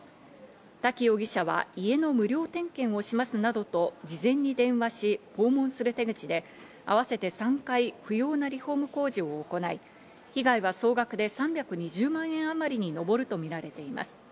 滝容疑者は家の無料点検をしますなどと事前に電話し訪問する手口で、合わせて３回、不要なリフォーム工事を行い、被害は総額で３２０万円あまりに上るとみられています。